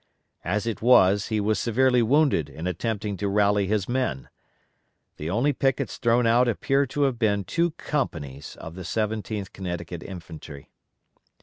As it was, he was severely wounded in attempting to rally his men. The only pickets thrown out appear to have been _two companies of the 17th Connecticut Infantry.